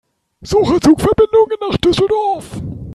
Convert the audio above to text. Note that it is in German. Suche Zugverbindungen nach Düsseldorf.